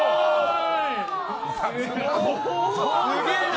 すげえな。